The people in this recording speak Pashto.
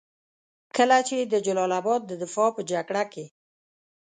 کله چې د جلال اباد د دفاع په جګړه کې.